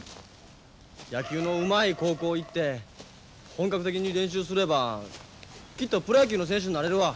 野球のうまい高校行って本格的に練習すればきっとプロ野球の選手になれるわ。